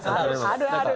あるある！